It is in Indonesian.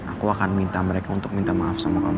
aku akan minta mereka untuk minta maaf sama kamu